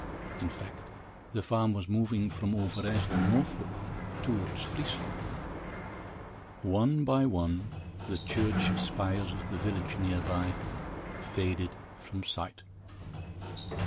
In fact, the farm was moving from Overijssel northward, towards Friesland. One by one, the church spires of the village near by faded from sight.